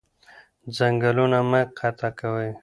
ځنګلونه مه قطع کوئ